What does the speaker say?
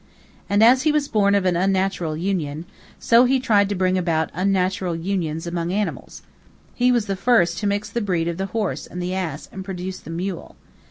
And as he was born of an unnatural union, so he tried to bring about unnatural unions among animals. He was the first to mix the breed of the horse and the ass and produce the mule.